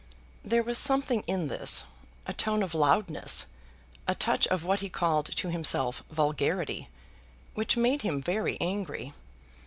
There was something in this, a tone of loudness, a touch of what he called to himself vulgarity, which made him very angry.